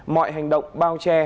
mọi hành động bao che